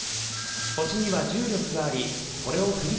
星には重力がありこれをふり切る速さ